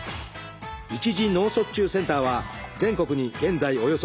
一次脳卒中センターは全国に現在およそ１，０００か所。